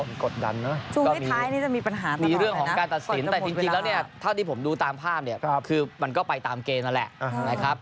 มีกฎดันเนอะก็มีเรื่องของการตัดสินแต่จริงแล้วเนี่ยถ้าที่ผมดูตามภาพเนี่ยคือมันก็ไปตามเกมนั่นแหละนะครับ